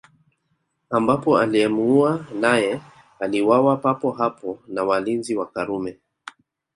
Ambapo aliyemuua naye aliuawa papo hapo na walinzi wa Karume